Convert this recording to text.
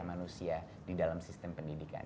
manusia di dalam sistem pendidikan